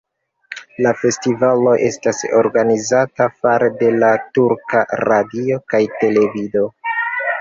La festivalo estas organizata fare de la Turka Radio kaj Televido.